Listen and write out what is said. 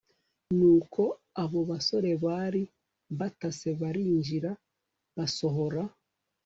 Nuko abo basore bari batase barinjira basohora